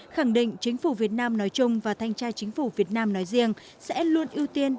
khẳng định chính phủ việt nam nói chung và thanh tra chính phủ việt nam nói riêng sẽ luôn ưu tiên